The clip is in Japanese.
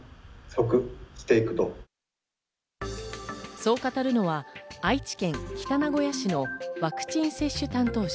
そう語るのは愛知県北名古屋市のワクチン接種担当者。